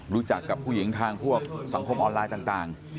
รู้จักกับผู้หญิงทางพวกสังคมออนไลน์ต่าง